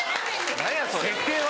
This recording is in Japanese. ・何やそれ。